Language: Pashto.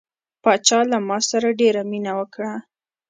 پاچا له ما سره ډیره مینه وکړه.